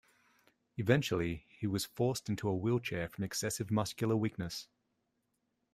Eventually he was forced into a wheelchair from excessive muscular weakness.